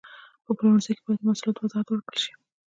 په پلورنځي کې باید د محصولاتو وضاحت ورکړل شي.